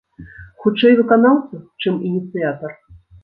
Хутчэй, выканаўца, чым ініцыятар?